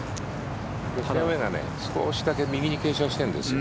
フェアウェーが右に少しだけ傾斜しているんですよ。